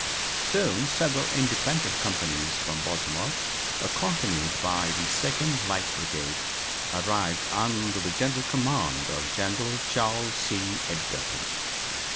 Soon several independent companies from Baltimore, accompanied by the Second Light Brigade, arrived under the general command of General Charles C. Edgerton.